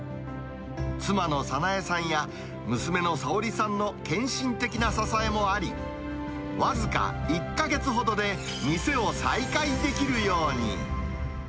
妻の早苗さんや娘の早織さんの献身的な支えもあり、僅か１か月ほどで店を再開できるように。